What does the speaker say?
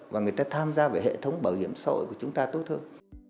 và người ta tham gia vào hệ thống bảo hiểm xã hội của chúng ta tốt hơn